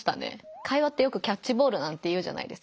会話ってよくキャッチボールなんて言うじゃないですか。